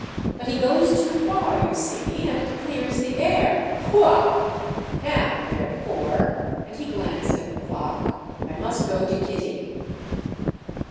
"But he goes too far, you see, and it clears the air—pouah! Now therefore"—and he glanced at the clock—"I must go to Kitty."